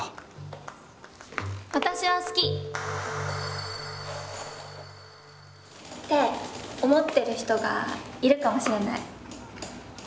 私は好き！って思ってる人がいるかもしれない。